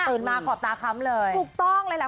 ตื่นมาขอบตาคำเลยถูกต้องเลยแหละ